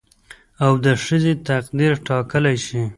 او د ښځې تقدير ټاکلى شي